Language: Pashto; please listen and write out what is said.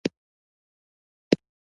موټر د سفر اسانتیا ده.